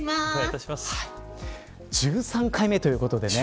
１３回目ということでね